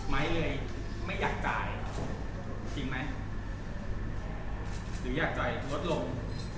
เลยไม่อยากจ่ายจริงไหมหรืออยากจ่ายลดลง